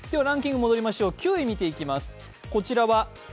ランキングに戻りましょう９位を見ていきます。